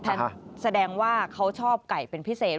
แสดงว่าเขาชอบไก่เป็นพิเศษ